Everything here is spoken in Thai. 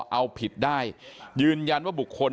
เอาผิดได้ยืนยันว่าบุคคล